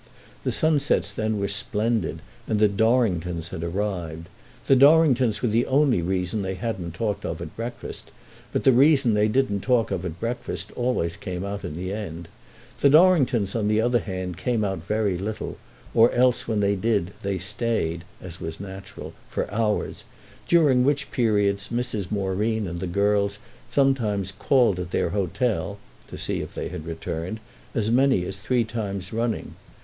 The sunsets then were splendid and the Dorringtons had arrived. The Dorringtons were the only reason they hadn't talked of at breakfast; but the reasons they didn't talk of at breakfast always came out in the end. The Dorringtons on the other hand came out very little; or else when they did they stayed—as was natural—for hours, during which periods Mrs. Moreen and the girls sometimes called at their hotel (to see if they had returned) as many as three times running.